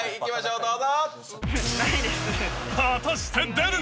どうぞ。